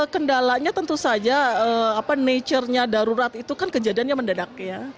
kendalanya tentu saja nature nya darurat itu kan kejadiannya mendadak ya